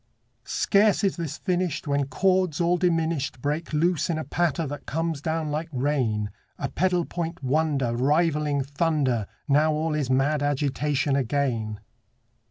Scarce is this finished When chords all diminished Break loose in a patter that comes down like rain, A pedal point wonder Rivaling thunder. Now all is mad agitation again.